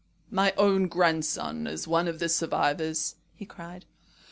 "My own grandson is one of the survivors," he cried.